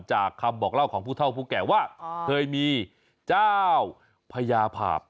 จากคำบอกเล่าของผู้เท่าผู้แก่ว่าเคยมีเจ้าพญาภาพ